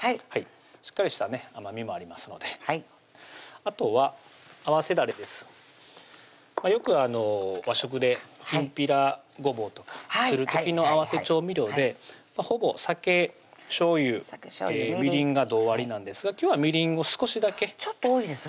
しっかりしたね甘みもありますのであとは合わせだれですよく和食できんぴらごぼうとかする時の合わせ調味料でほぼ酒・しょうゆ・みりんが同割りなんですが今日はみりんを少しだけちょっと多いですね